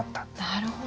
なるほど。